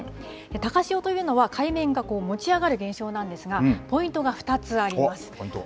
高潮というのは海面が持ち上がる現象なんですがポイントが２つあります。